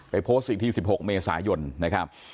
โพสต์อีกที๑๖เมษายนนะครับ